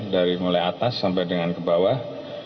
dari mulai atas sampai dengan ke bawah